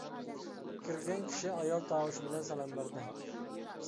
كىرگەن كىشى ئايال تاۋۇشى بىلەن سالام بەردى.